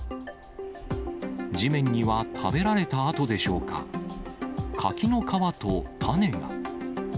地面には食べられた跡でしょうか、柿の皮と種が。